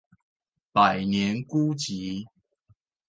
百年孤寂